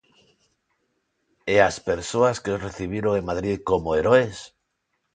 E ás persoas que os recibiron en Madrid como heroes?